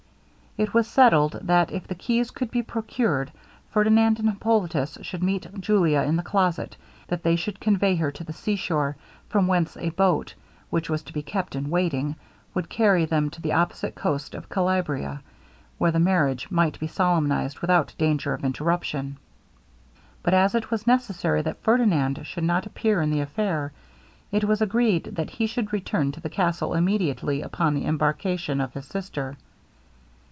It was settled, that if the keys could be procured, Ferdinand and Hippolitus should meet Julia in the closet; that they should convey her to the seashore, from whence a boat, which was to be kept in waiting, would carry them to the opposite coast of Calabria, where the marriage might be solemnized without danger of interruption. But, as it was necessary that Ferdinand should not appear in the affair, it was agreed that he should return to the castle immediately upon the embarkation of his sister.